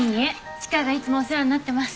千佳がいつもお世話になってます。